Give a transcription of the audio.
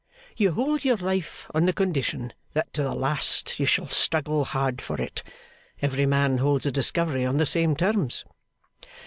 You hold your life on the condition that to the last you shall struggle hard for it. Every man holds a discovery on the same terms.